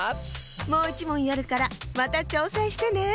もういちもんやるからまたちょうせんしてね。